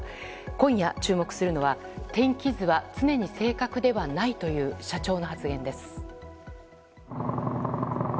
今夜注目するのは天気図は常に正確ではないという社長の発言です。